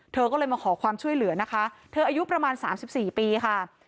เธอก็เลยมาขอความช่วยเหลือนะคะเธออายุประมาณ๓๔ปีค่ะ